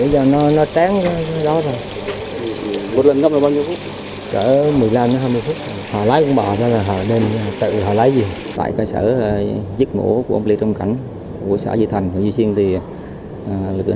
việc người trực tiếp